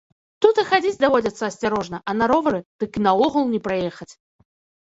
Тут і хадзіць даводзіцца асцярожна, а на ровары, дык і наогул не праехаць.